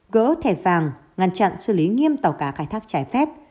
gỡ thẻ vàng ngăn chặn xử lý nghiêm tàu cá khai thác trái phép